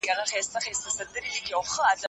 نور به وه ميني